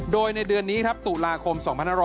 โดยในเดือนนี้ตุลาคม๒๖๖๖